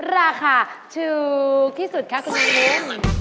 ราคาถูกที่สุดคะคุณอายิ้ม